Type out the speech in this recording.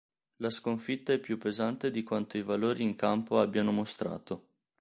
La sconfitta è più pesante di quanto i valori in campo abbiano mostrato.